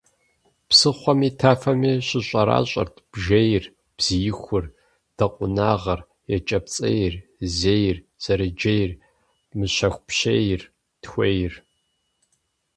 Псыхъуэми тафэми щыщӀэращӀэрт бжейр, бзиихур, дыкъуэнагъыр, екӀэпцӀейр, зейр, зэрыджейр, мыщэхупщейр, тхуейр.